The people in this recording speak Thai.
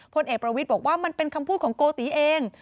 พลเอกประวิทย์บอกว่ามันเป็นคำพูดของโกติเอง